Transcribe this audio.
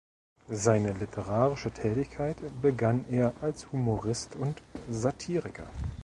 Seine literarische Tätigkeit begann er als Humorist und Satiriker.